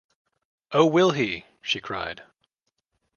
“Oh, will he!” she cried.